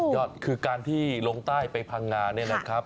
ยอดคือการที่ลงใต้ไปพังงาเนี่ยนะครับ